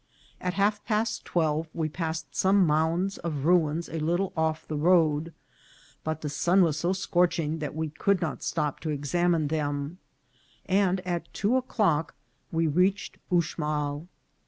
At half past twelve we passed some mounds of ruins a little off the road, but the sun was so scorching that we could not stop to examine them, and at two o'clock we reached Uxmal.